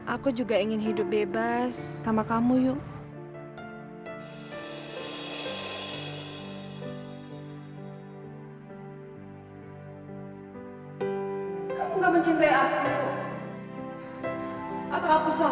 aku juga ingin hidup bebas sama kamu yuk